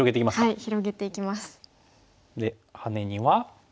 はい。